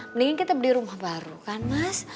mendingan kita beli rumah baru kan mas